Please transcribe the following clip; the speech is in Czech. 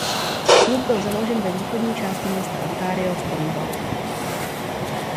Klub byl založen ve východní části města Ontario v Cornwallu.